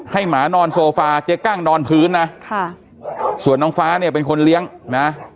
หมานอนโซฟาเจ๊กั้งนอนพื้นนะค่ะส่วนน้องฟ้าเนี่ยเป็นคนเลี้ยงนะ